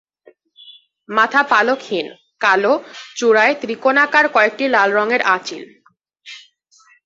মাথা পালকহীন, কালো, চূড়ায় ত্রিকোণাকার কয়েকটি লাল রঙের আঁচিল।